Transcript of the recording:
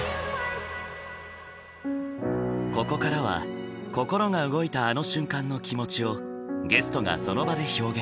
ここからは心が動いたあの瞬間の気持ちをゲストがその場で表現。